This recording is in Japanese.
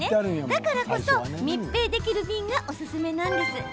だからこそ密閉できる瓶がおすすめです。